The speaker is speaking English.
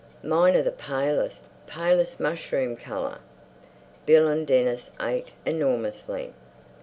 "Mine are the palest, palest mushroom colour." Bill and Dennis ate enormously.